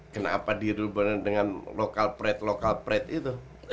kenapa dirubah dengan lokal prede lokal pret itu